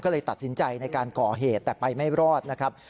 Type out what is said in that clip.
ก็เลยตัดสินใจในการก่อเหตุแต่ไปไม่รอดนะครับ